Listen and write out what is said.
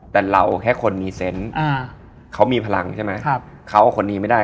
แต่เราแค่คนมีเซ้นซ์เขามีพลังใช่มั้ย